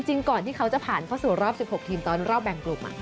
ก่อนที่เขาจะผ่านเข้าสู่รอบ๑๖ทีมตอนรอบแบ่งกลุ่ม